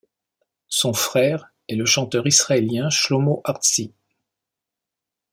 Son frère est le chanteur israélien Shlomo Artzi.